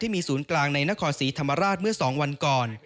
มีศูนย์กลางในนครศรีธรรมราชเมื่อ๒วันก่อน